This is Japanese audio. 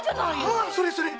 あーそれそれ！